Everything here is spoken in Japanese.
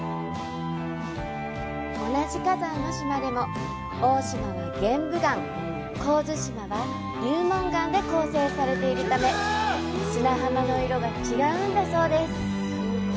同じ火山の島でも大島は玄武岩、神津島は流紋岩で構成されているため砂浜の色が違うんだそうです。